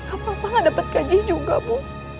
nggak apa apa nggak dapet gaji juga bu